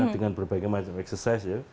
tujuh puluh lima dengan berbagai macam eksersis ya